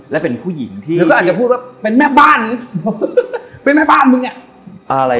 และเป็นผู้หญิงที่แล้วก็อาจจะพูดว่าเป็นแม่บ้านเป็นแม่บ้านมึงอ่ะอะไร